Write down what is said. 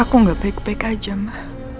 aku gak baik baik aja mah